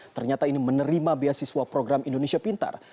ternyata ini menerima beasiswa program indonesia pintar